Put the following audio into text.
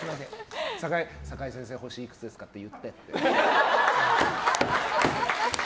堺先生、星いくつですかって言ってって。